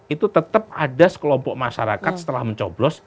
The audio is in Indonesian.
itu tetap ada sekelompok masyarakat setelah mencoblos